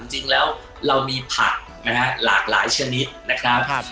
จริงแล้วเรามีผักนะฮะหลากหลายชนิดนะครับ